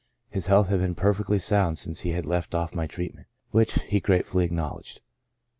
His health had been perfectly sound since he had left ofF my treatment, which he gratefully acknowledged.